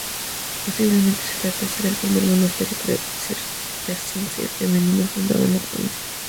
Posiblemente se tratase del primer monasterio cisterciense femenino fundado en la provincia.